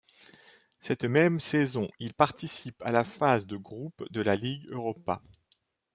Cette même saison, il participe à la phase de groupe de la Ligue Europa.